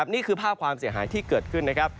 นี่คือภาพความเสียหายที่เกิดขึ้นนะครับ